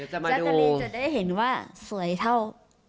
แจ๊กกะลีนจะได้เห็นว่าสวยเท่า